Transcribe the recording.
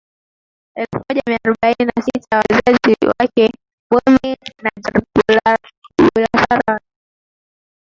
Elfu moja mia arobaini na sita Wazazi wake Bomi na Jer Bulasara wana mizizi